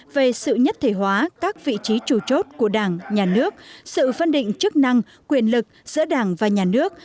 về sự nhất thể hóa các vị trí chủ chốt của đảng nhà nước sự phân định chức năng quyền lực giữa đảng và nhà nước